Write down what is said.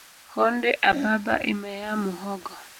Honde a baba imeyaa muhogo